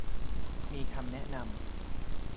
มีคำแนะนำ